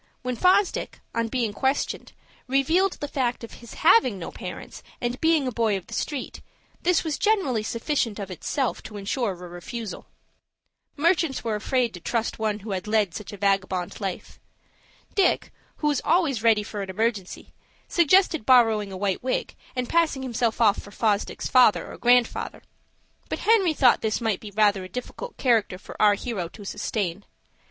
When Fosdick, on being questioned, revealed the fact of his having no parents, and being a boy of the street, this was generally sufficient of itself to insure a refusal. Merchants were afraid to trust one who had led such a vagabond life. Dick, who was always ready for an emergency, suggested borrowing a white wig, and passing himself off for Fosdick's father or grandfather. But Henry thought this might be rather a difficult character for our hero to sustain.